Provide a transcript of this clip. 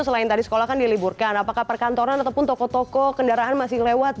selain tadi sekolah kan diliburkan apakah perkantoran ataupun toko toko kendaraan masih lewat